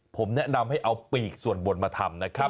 ผมแนะนำให้เอาปีกส่วนบนมาทำนะครับ